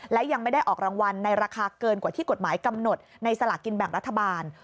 และยังไม่ได้ออกรางวัลในราคาเกินกว่าที่กฎหมายกำหนดในสลากินแบ่งรัฐบาล